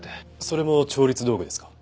それも調律道具ですか？